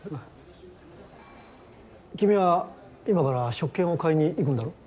君は今から食券を買いに行くんだろう？